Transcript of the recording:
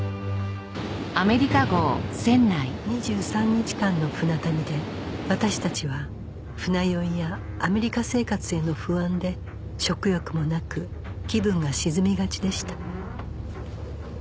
２３日間の船旅で私たちは船酔いやアメリカ生活への不安で食欲もなく気分が沈みがちでした